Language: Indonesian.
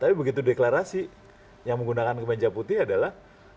tapi begitu deklarasi yang menggunakan kemeja putih adalah